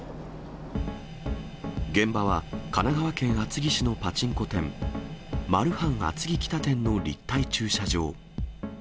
現場は神奈川県厚木市のパチンコ店、マルハン厚木北店の立体駐車場。